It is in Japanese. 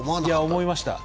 思いました。